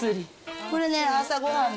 これね、朝ごはんね。